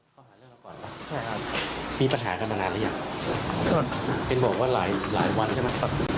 ใช่ครับมีปัญหากันมานานหรือยังเป็นบอกว่าหลายหลายวันใช่ไหม